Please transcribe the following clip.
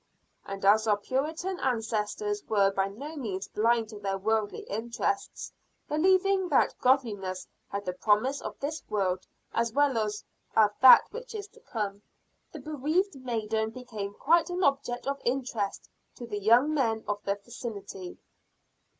And as our Puritan ancestors were by no means blind to their worldly interests, believing that godliness had the promise of this world as well as that which is to come the bereaved maiden became quite an object of interest to the young men of the vicinity.